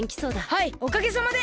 はいおかげさまで。